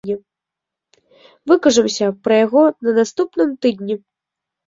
Выкажамся пра яго на наступным тыдні!